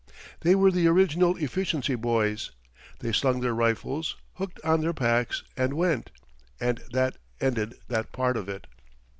They were the original efficiency boys. They slung their rifles, hooked on their packs and went; and that ended that part of it.